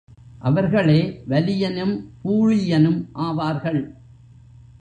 அவர்களே வலியனும் பூழியனும் ஆவார்கள்.